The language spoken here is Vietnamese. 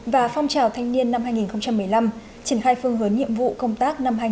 và phong trào thanh niên năm hai nghìn một mươi năm triển khai phương hướng nhiệm vụ công tác năm hai nghìn hai mươi